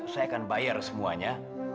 saya akan bayar semuanya